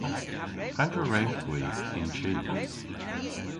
Pandr'a wrewgh hwi y'n chi?